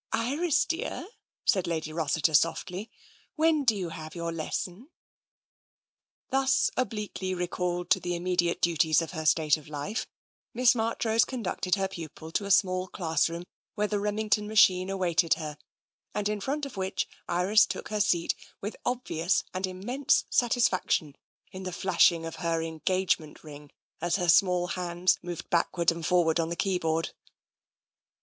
" Iris, dear," said Lady Rossiter softly, " when do you have your lesson? " Thus obliquely recalled to the immediate duties of her state of life, Miss Marchrose conducted her pupil to a small classroom where the Remington machine awaited her, and in front of which Iris took her seat with obvious and immense satisfaction in the flashing of her engagement ring as her small hands moved backward and forward on the keyboard.